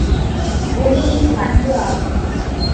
ஒலியின் பண்பு ஆகும்.